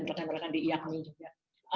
pernah berdekatan di iakmi juga